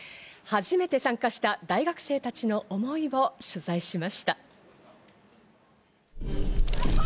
初めて参加した大学生たちの思いを取材しました。